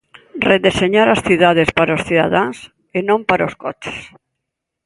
Redeseñar as cidades para os cidadáns e non para os coches.